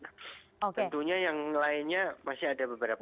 tentunya yang lainnya masih ada beberapa